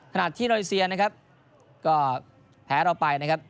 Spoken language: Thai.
ขณะที่โรยเซียนะครับก็แพ้เราไปนะครับ